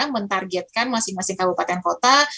mentargetkan masing masing kabupaten kota